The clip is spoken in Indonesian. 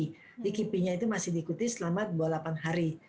jadi kipi nya itu masih diikuti selama dua puluh delapan hari